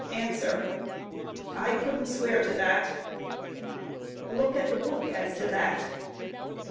A. I couldn't swear to that. Q. Look at the book as to that.